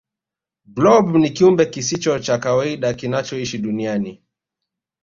blob ni kiumbe kisicho cha kawaida kinachoishi duniani